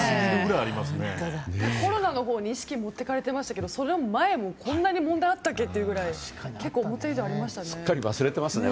コロナのほうに意識持っていかれてましたけどその前もこんなに問題あったっけっていうぐらい結構、思った以上にありましたね。